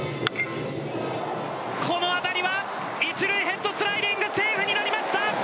この当たりは１塁ヘッドスライディングセーフになりました。